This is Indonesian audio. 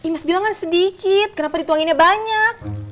imas bilang kan sedikit kenapa dituanginnya banyak